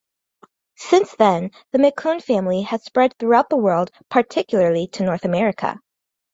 Since then, the McCunn family has spread throughout the world particularly to North America.